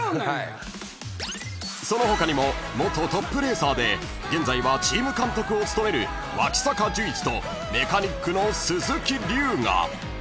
［その他にも元トップレーサーで現在はチーム監督を務める脇阪寿一とメカニックの鈴木龍河］